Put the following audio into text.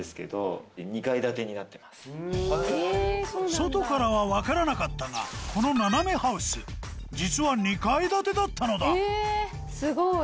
外からは分からなかったがこの斜めハウス実は２階建てだったのだすごい。